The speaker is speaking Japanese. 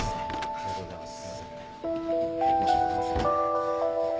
ありがとうございます。